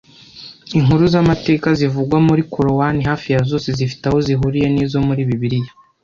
Inkuru z’amateka zivugwa muri Korowani hafi ya zose zifite aho zihuriye n’izo muri Bibiliya